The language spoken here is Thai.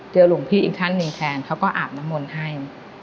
หลวงพี่อีกท่านหนึ่งแฟนเขาก็อาบน้ำมนต์ให้